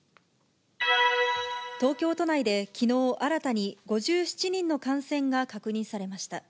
東京都内できのう、新たに５７人の感染が確認されました。